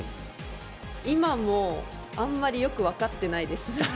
今もあんまりよく分かってないです。